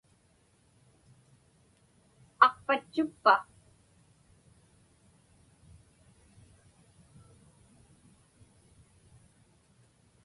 Aqpatchukpa?